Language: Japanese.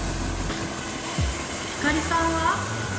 ひかりさんは？